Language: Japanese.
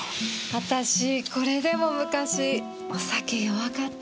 私これでも昔お酒弱かったんです。